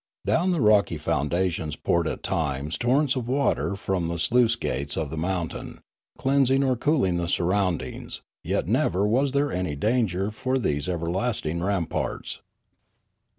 Down the 94 Limanora rocky foundations poured at times torrents of water from the sluice gates of the mountain, cleansing or cooling the surroundings; yet never was there any danger for these everlasting ramparts.